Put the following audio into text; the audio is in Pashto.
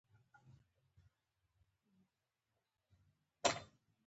د منظور پښتين د سر خولۍ د امن سيمبول شوه.